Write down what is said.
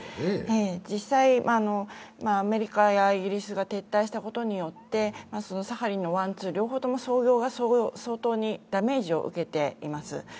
実際、アメリカやイギリスが撤退したことによって、サハリンのワンツー両方ともダメージを受けています。